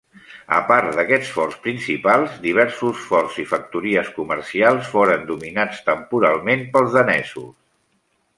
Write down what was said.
A part d'aquests forts principals, diversos forts i factories comercials foren dominats temporalment pels danesos.